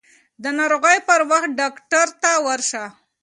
د ناروغۍ پر وخت ډاکټر ته ورشئ.